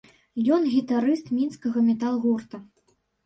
Ён гітарыст мінскага метал-гурта.